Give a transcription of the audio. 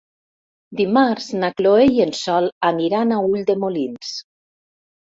Dimarts na Chloé i en Sol aniran a Ulldemolins.